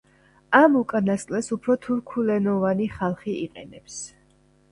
ამ უკანასკნელს უფრო თურქულენოვანი ხალხი იყენებს.